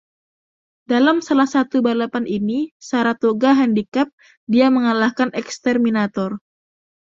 Dalam salah satu balapan ini, Saratoga Handicap, dia mengalahkan Exterminator.